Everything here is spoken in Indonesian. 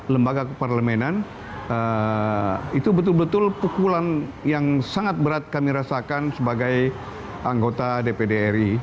lembaga keparlemenan itu betul betul pukulan yang sangat berat kami rasakan sebagai anggota dpd ri